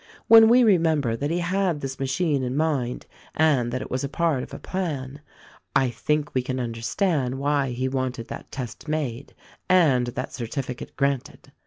When we remember that he had this machine in mind and that it was a part of a plan, I think we can understand why he wanted that test made and that certificate granted.